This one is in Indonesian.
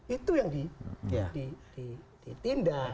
itu yang ditindak